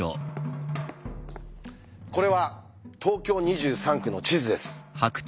これは東京２３区の地図です。